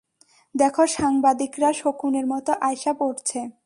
দেখো, সাংবাদিকরা, শকুনের মত আইসা পড়ছে।